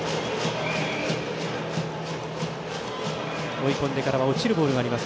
追い込んでからは落ちるボールがあります